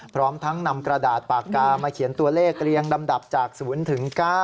พร้อมทั้งนำกระดาษปากกามาเขียนตัวเลขเรียงลำดับจาก๐ถึง๙